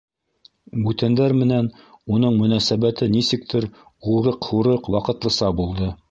Бүтәндәр менән уның мөнәсәбәте нисектер урыҡ-һурыҡ, ваҡытлыса булды.